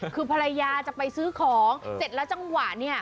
คือภรรยาจะไปซื้อของเสร็จแล้วจังหวะเนี่ย